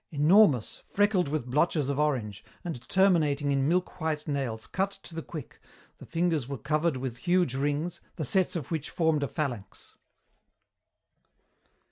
Enormous, freckled with blotches of orange, and terminating in milk white nails cut to the quick, the fingers were covered with huge rings, the sets of which formed a phalanx.